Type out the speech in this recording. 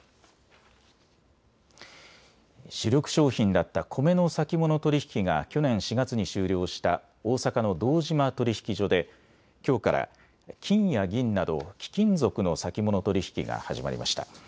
主力商品だったコメの先物取引が去年４月に終了した大阪の堂島取引所できょうから金や銀など貴金属の先物取引が始まりました。